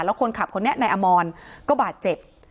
แล้วคนขับคนนี้นายอมรก็บาดเจ็บ